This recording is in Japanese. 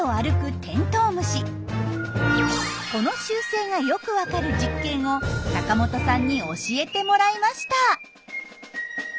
この習性がよくわかる実験を阪本さんに教えてもらいました。